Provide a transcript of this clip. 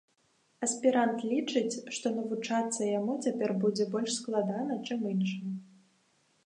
Аспірант лічыць, што навучацца яму цяпер будзе больш складана, чым іншым.